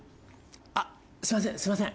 あっすみませんすみません。